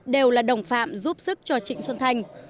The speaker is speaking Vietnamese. đều là đồng phạm giúp sức cho trịnh xuân thanh